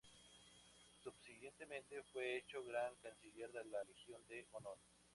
Subsiguientemente fue hecho Gran Canciller de la Legión de Honor.